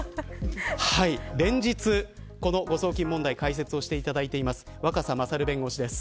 連日、この誤送金問題の解説をしていただいています若狭勝弁護士です。